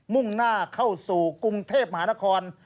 มุ่งหน้าเข้าสู่กรุงเทพมหานคร